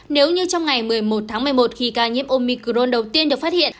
nếu như trong ngày một mươi một tháng một mươi một khi ca nhiễm omicron đầu tiên được phát hiện